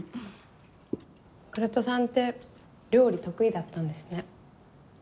倉田さんって料理得意だったんですね。